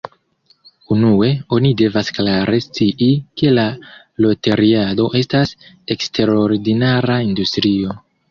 Unue, oni devas klare scii ke la loteriado estas eksterordinara industrio.